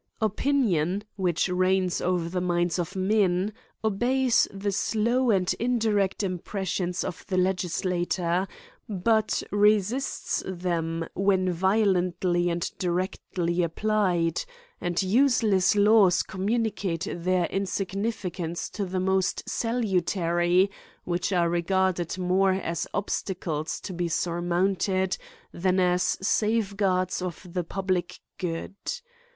Opinion, which reigns over the minds of men, obeys the slow and indirect impressions of the legislator, but resists them when violently and directly applied ; and useless laws communicate their insignificance to the most salutary, which are regarded more as obstacles to be surmounted than as safeguards of the public good.